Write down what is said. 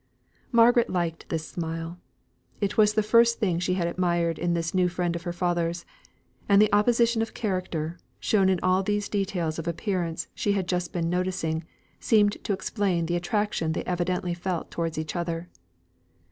Margaret liked this smile; it was the first thing she had admired in this new friend of her father's; and the opposition of character, shown in all these details of appearance she had just been noticing, seemed to explain the attraction they evidently felt towards each other.